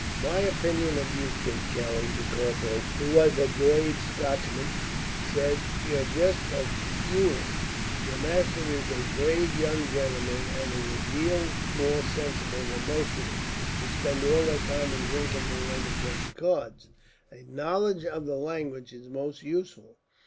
"My opinion of you, Tim Kelly," the corporal, who was a grave Scotchman, said; "is that you're just a fule. Your master is a brave young gentleman, and is a deal more sensible than most of them, who spend all their time in drinking wine and playing cards. A knowledge of the language is most useful.